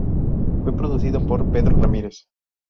Fue producido por Pedro Ramírez.